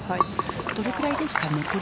どれぐらいですか？